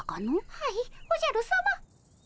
はいおじゃるさま。